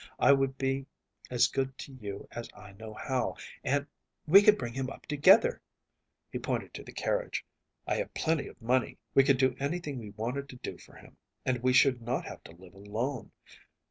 I would be as good to you as I know how, and we could bring him up together.‚ÄĚ He pointed to the carriage. “I have plenty of money. We could do anything we wanted to do for him, and we should not have to live alone.